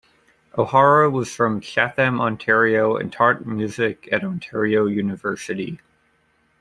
O'Hara was from Chatham, Ontario, and taught music at Ontario University.